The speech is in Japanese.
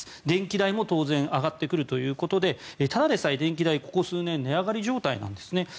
電気代も当然上がってくるということでただでさえ電気代はここ数年値上がり状態なんですね。